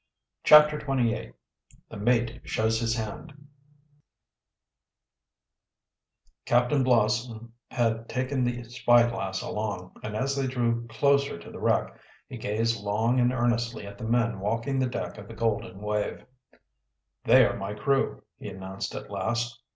CHAPTER XXVIII THE MATE SHOWS HIS HAND Captain Blossom had taken the spyglass along, and as they drew closer to the wreck he gazed long and earnestly at the men walking the deck of the Golden Wave. "They are my crew," he announced at last.